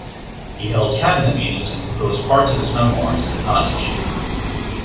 He held cabinet meetings and composed parts of his memoirs at the cottage.